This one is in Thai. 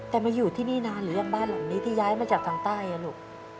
แต่มาอยู่ที่นี่นานหรือยังบ้านหลังนี้ที่ย้ายมาจากทางใต้ลูก